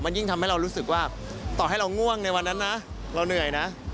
ยิ่งทำให้เรารู้สึกว่าต่อให้เราง่วงในวันนั้นนะเราเหนื่อยนะ